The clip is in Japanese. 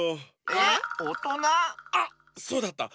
あっそうだった！